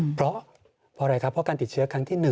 เพราะเพราะอะไรครับเพราะการติดเชื้อครั้งที่๑